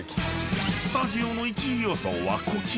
［スタジオの１位予想はこちら］